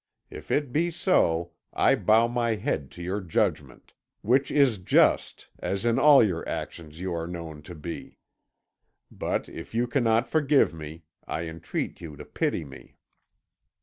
If it be so, I bow my head to your judgment which is just, as in all your actions you are known to be. But if you cannot forgive me, I entreat you to pity me.